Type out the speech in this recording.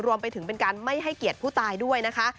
รวมไปถึงเป็นการไม่ให้เกียรติผู้ตายด้วยนะคะ